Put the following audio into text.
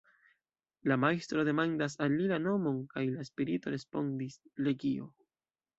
La Majstro demandas al li la nomon, kaj la spirito respondis: "legio".